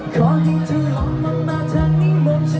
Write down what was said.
ฉันที่มีกลุ่มพิมพ์ไว้